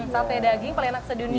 sate daging paling enak sedunia